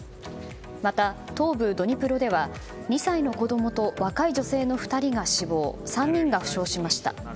また、東部ドニプロでは２歳の子供と若い女性の２人が死亡３人が負傷しました。